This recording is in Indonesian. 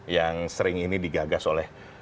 yang sering ini digagas oleh